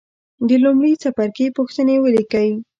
د لومړي څپرکي پوښتنې ولیکئ.